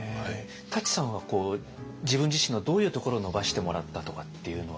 舘さんはこう自分自身のどういうところを伸ばしてもらったとかっていうのは。